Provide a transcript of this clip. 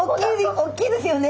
大きいですよね。